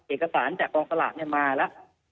เอกสารจากกองสลากมาแล้ว